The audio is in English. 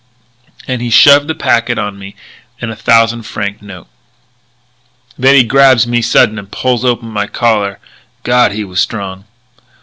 And he shoves the packet on me and a thousand franc note. "Then he grabs me sudden and pulls open my collar. God, he was strong.